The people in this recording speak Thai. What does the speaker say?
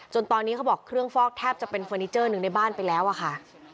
ตอนนี้เขาบอกเครื่องฟอกแทบจะเป็นเฟอร์นิเจอร์หนึ่งในบ้านไปแล้วอะค่ะ